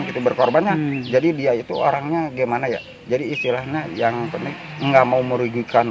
gitu berkorbannya jadi dia itu orangnya gimana ya jadi istilahnya yang penting enggak mau merugikan